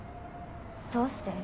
どうして？